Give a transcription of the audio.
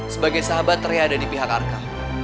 sebagai sahabat ternyata ada di pihak arka